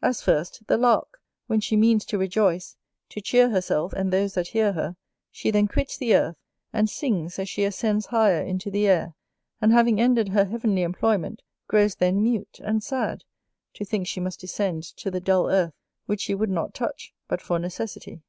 As first the Lark, when she means to rejoice, to cheer herself and those that hear her; she then quits the earth, and sings as she ascends higher into the air and having ended her heavenly employment, grows then mute, and sad, to think she must descend to the dull earth, which she would not touch, but for necessity.